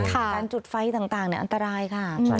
การจุดไฟต่างอันตรายค่ะ